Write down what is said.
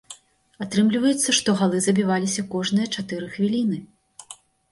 Атрымліваецца, што галы забіваліся кожныя чатыры хвіліны.